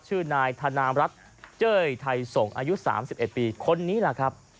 ชื่อนายธนามรัฐเจ้ยไทยส่งอายุ๓๑ปีคนนี้แหละครับ